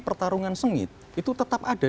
pertarungan sengit itu tetap ada